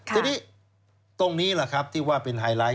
ทีนี้ตรงนี้แหละครับที่ว่าเป็นไฮไลท์